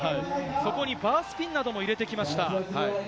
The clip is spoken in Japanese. そこにバースピンなども入れてきました。